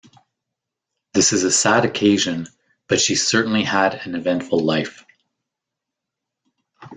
This is a sad occasion, but she certainly had an eventful life.